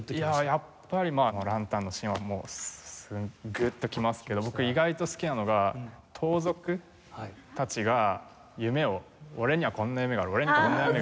やっぱりあのランタンのシーンはもうグッときますけど僕意外と好きなのが盗賊たちが夢を俺にはこんな夢がある俺にはこんな夢があるって言ってみんな違う夢を語り合って